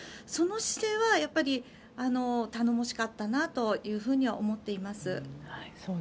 その姿勢はやっぱり頼もしかったなと思っています。